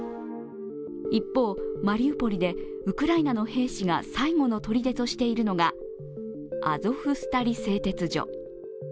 一方、マリウポリでウクライナの兵士が最後のとりでとしているのがアゾフスタリ製鉄所。